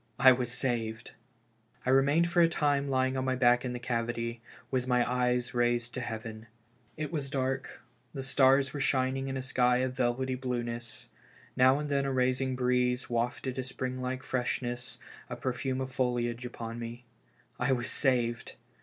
I was saved ! I remained for a time lying on my back in the cavity, with my eyes raised to heaven. It was dark, the stars were shining in a sky of velvety blueness. Now and then the rising breeze wafted a spring like freshness, a perfume of foilage upon me. I was saved